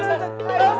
ustadz aku mau tarik